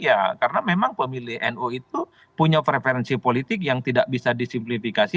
ya karena memang pemilih nu itu punya preferensi politik yang tidak bisa disimplifikasi